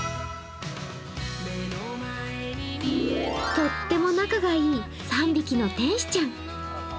とっても仲がいい３匹の天使ちゃん。